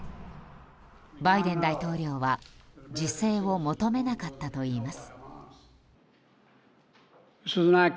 バイデン大統領は自制を求めなかったといいます。